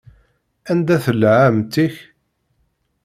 Anda tella ɛemmti-k?